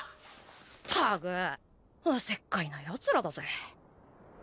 ったくおせっかいなやつらだぜ。